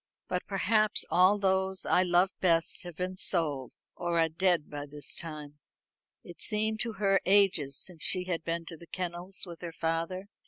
But perhaps all those I love best have been sold, or are dead by this time." It seemed to her ages since she had been to the kennels with her father.